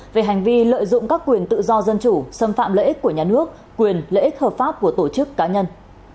về hành vi lợi dụng các quyền tự do dân chủ xâm phạm lợi ích của nhà nước quyền lợi ích hợp pháp của tổ chức cá nhân